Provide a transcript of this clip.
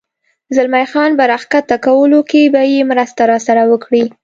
زلمی خان په را کښته کولو کې به یې مرسته راسره وکړې؟